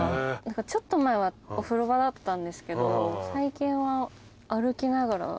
ちょっと前はお風呂場だったんですけど最近は歩きながら。